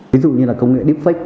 ví dụ như công nghệ deepfake